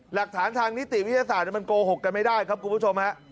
หลักฐานทางนิติวิทยาศาสตร์มันโกหกกันไม่ได้ครับคุณผู้ชมฮะ